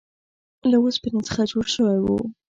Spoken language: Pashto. له اوسپنې څخه جوړ شوی و.